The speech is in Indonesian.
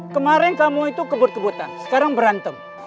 kemarin kamu itu kebut kebutan sekarang berantem